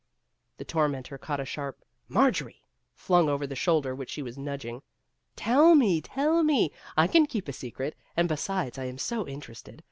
The tormentor caught a sharp " Mar jorie !" flung over the shoulder which she was nudging. " Tell me, tell me ! I can keep a secret. And besides, I am so interested.